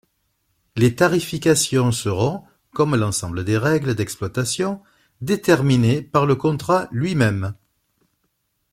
Les tarifications seront, comme l’ensemble des règles d’exploitation, déterminées par le contrat lui-même.